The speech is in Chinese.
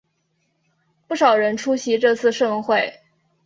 不少人出席这次盛会。